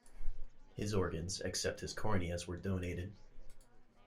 His organs except his corneas were donated.